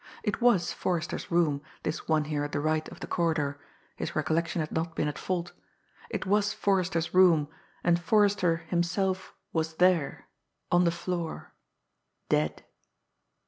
It was Forrester's room, this one here at the right of the corridor his recollection had not been at fault. It was Forrester's room, and Forrester himself was there on the floor dead.